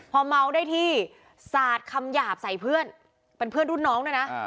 พอเมาได้ที่สาดคำหยาบใส่เพื่อนเป็นเพื่อนรุ่นน้องด้วยนะ